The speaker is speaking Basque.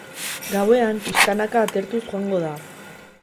Gauean, pixkanaka atertuz joango da.